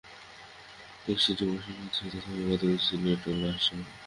এই সিটি করপোরেশনগুলো হচ্ছে যথাক্রমে গাজীপুর, সিলেট ও রাজশাহী।